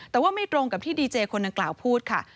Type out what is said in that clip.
แต่ว่าไม่ตรงกับที่ดีเจคนดังกล่าวพูดค่ะ